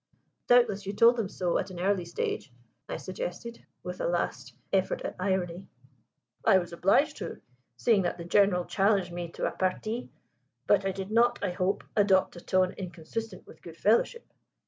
"Doubtless you told them so at an early stage?" I suggested, with a last effort at irony. "I was obliged to, seeing that the General challenged me to a partie; but I did not, I hope, adopt a tone inconsistent with good fellowship.